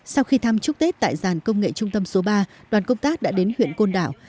sau khi thăm chúc tết tại giàn công nghệ trung tâm số ba đoàn công tác đã đến huyện côn đảo